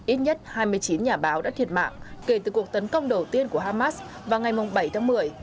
ít nhất hai mươi chín nhà báo đã thiệt mạng kể từ cuộc tấn công đầu tiên của hamas vào ngày bảy tháng một mươi